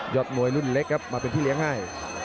มวยรุ่นเล็กครับมาเป็นพี่เลี้ยงให้